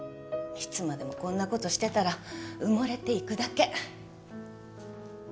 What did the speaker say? いつまでもこんな事してたら埋もれていくだけ。